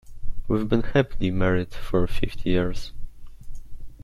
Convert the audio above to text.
We've been happily married for fifty years.